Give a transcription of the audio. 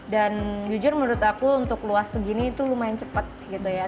dan jujur menurut aku untuk luas segini tuh lumayan cepat gitu ya